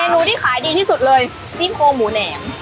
เมนูที่ขายดีที่สุดเลยซีกโครงหมูแหนม